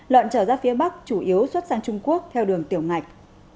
lợn trở ra phía bắc chủ yếu xuất sang trung quốc theo đường tiểu ngạch